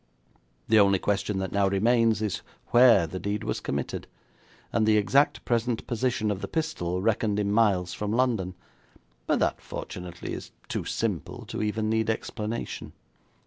The only question that now remains is where the deed was committed, and the exact present position of the pistol reckoned in miles from London, but that, fortunately, is too simple to even need explanation.'